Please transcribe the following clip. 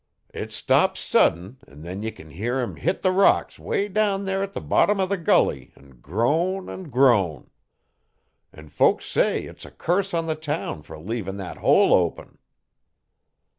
It stops sudden an' then ye can hear 'im hit the rocks way down there at the bottom O' the gulley an' groan an' groan. An' folks say it's a curse on the town for leavin' thet hole open.'